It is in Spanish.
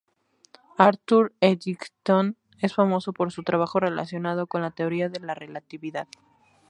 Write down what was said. Arthur Eddington es famoso por su trabajo relacionado con la Teoría de la Relatividad.